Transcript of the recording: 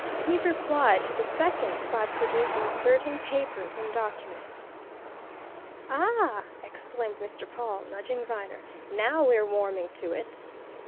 He replied to the second by producing certain papers and documents." "Ah!" exclaimed Mr. Pawle, nudging Viner. "Now we're warming to it!"